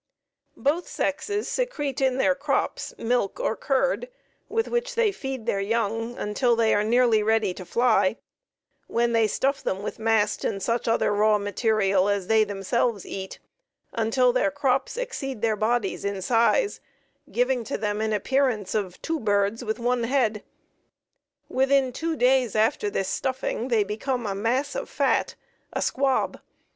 Both sexes secrete in their crops milk or curd with which they feed their young, until they are nearly ready to fly, when they stuff them with mast and such other raw material as they themselves eat, until their crops exceed their bodies in size, giving to them an appearance of two birds with one head. Within two days after the stuffing they become a mass of fat "a squab."